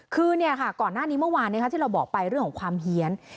คือเนี่ยค่ะก่อนหน้านี้เมื่อวานเนี่ยค่ะที่เราบอกไปเรื่องของความเหี้ยน